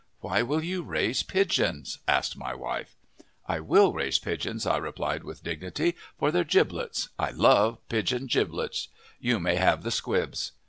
"Why will you raise pigeons?" asked my wife. "I will raise pigeons," I replied with dignity, "for their giblets. I love pigeon giblets. You may have the squibs."